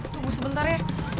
tunggu sebentar ya